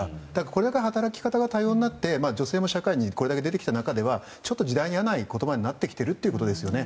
これから働き方が多様になって女性も社会に出てきた中では時代に合わない言葉になっているということですよね。